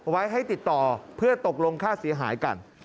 ไว้ให้ติดต่อเพื่อตกลงค่าเสียหายกัน